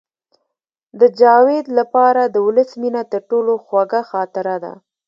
د جاوید لپاره د ولس مینه تر ټولو خوږه خاطره ده